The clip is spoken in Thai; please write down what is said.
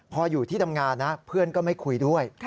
พออยู่ที่ทำงานนะเพื่อนก็ไม่คุยด้วย